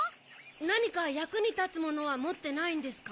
なにかやくにたつものはもってないんですか？